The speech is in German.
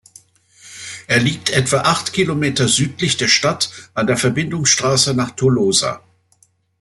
Er liegt etwa acht Kilometer südlich der Stadt an der Verbindungsstraße nach Tolosa.